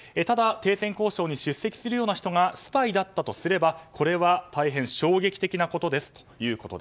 ただ、停戦交渉に出席するような人がスパイだったとすればこれは大変衝撃的なことですと。